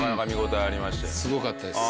すごかったです。